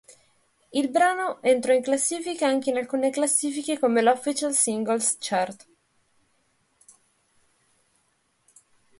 Il brano entrò in classifica anche in alcune classifiche come l'Official Singles Chart.